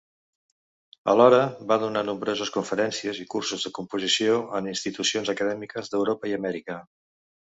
Alhora, va donar nombroses conferències i cursos de composició en institucions acadèmiques d'Europa i Amèrica.